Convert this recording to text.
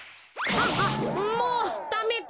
ああもうダメだ。